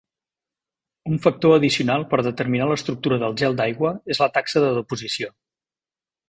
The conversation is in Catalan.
Un factor addicional per determinar l'estructura del gel d'aigua és la taxa de deposició.